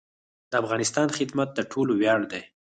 د افغانستان خدمت د ټولو ویاړ دی